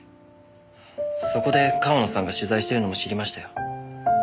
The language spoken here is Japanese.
そこで川野さんが取材してるのも知りましたよ。